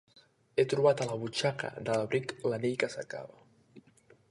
He trobat a la butxaca de l'abric l'anell que cercava.